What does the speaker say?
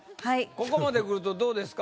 ここまでくるとどうですか？